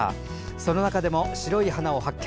その中でも白い花を発見。